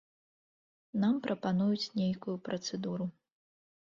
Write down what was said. Нам прапануюць нейкую працэдуру.